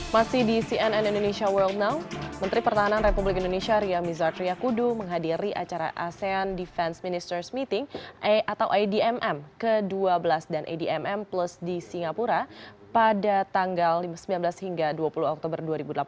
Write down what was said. masih di cnn indonesia world now menteri pertahanan republik indonesia ria mizar triakudu menghadiri acara asean defense ministeris meeting atau idmm ke dua belas dan admm plus di singapura pada tanggal sembilan belas hingga dua puluh oktober dua ribu delapan belas